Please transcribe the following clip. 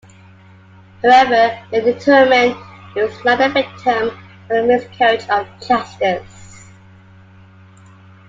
However, they determined he was not the victim of a miscarriage of justice.